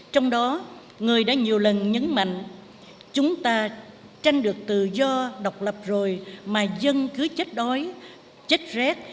trong đó người đã nhiều lần nhấn mạnh chúng ta tranh được tự do độc lập rồi mà dân cứ chết đói chết rét